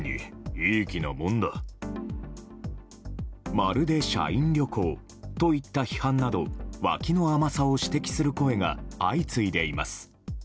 まるで社員旅行といった批判など脇の甘さを指摘する声が相次いでいます。